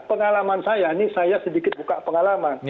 pengalaman saya ini saya sedikit buka pengalaman